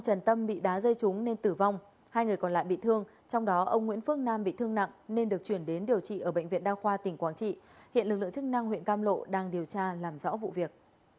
trần tâm bị đá dây trúng nên tử vong hai người còn lại bị thương trong đó ông nguyễn phước nam bị thương nặng nên được chuyển đến điều trị ở bệnh viện đa khoa tỉnh quảng trị hiện lực lượng chức năng huyện cam lộ đang điều tra làm rõ vụ việc